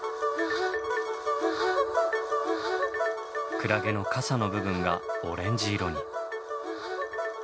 クラゲの傘の部分がオレンジ色に。